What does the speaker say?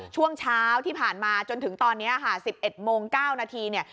ช่วงเช้าที่ผ่านมาจนถึงตอนนี้ค่ะ๑๑โมง๙นาทีเนี่ย